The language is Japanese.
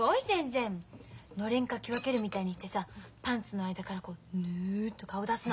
のれんかき分けるみたいにしてさパンツの間からヌッと顔出すの。